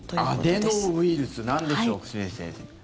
アデノウイルスなんでしょう、久住先生。